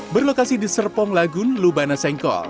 berlokasi di serpong lagun lubana sengkol